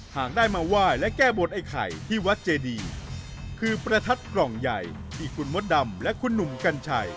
หากได้มาไหว้และแก้บนไอ้ไข่ที่วัดเจดีคือประทัดกล่องใหญ่ที่คุณมดดำและคุณหนุ่มกัญชัย